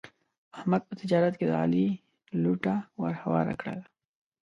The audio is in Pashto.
احمد په تجارت کې د علي لوټه ور هواره کړله.